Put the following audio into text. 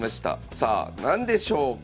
さあ何でしょうか」。